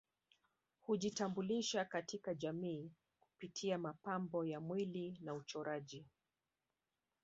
Hujitambulisha katika jamii kupitia mapambo ya mwili na uchoraji